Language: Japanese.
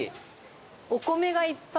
お米がいっぱい。